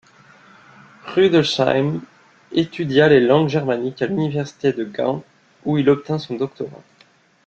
Rudelsheim étudia les langues germaniques à l'université de Gand, où il obtint son doctorat.